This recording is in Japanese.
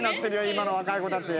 今の若い子たち。